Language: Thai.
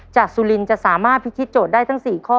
สุรินทร์จะสามารถพิธีโจทย์ได้ทั้ง๔ข้อ